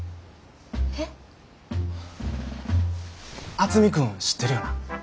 渥美君知ってるよな？